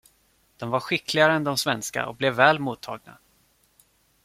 De var skickligare än de svenska och blev väl mottagna.